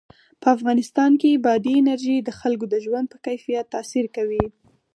په افغانستان کې بادي انرژي د خلکو د ژوند په کیفیت تاثیر کوي.